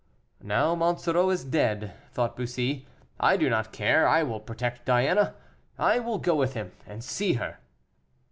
"Now Monsoreau is dead," thought Bussy, "I do not care; I will protect Diana. I will go with him, and see her."